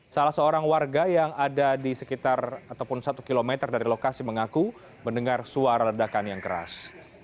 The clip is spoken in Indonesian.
salah seorang warga yang ada di sekitar ataupun satu kilometer dari lokasi mengaku mendengar suara ledakan yang keras